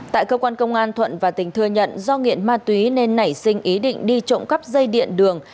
tại cơ quan công an thuận và tình thừa nhận do nghiện ma túy nên nảy sinh ý định đi trộm cắp dây điện đường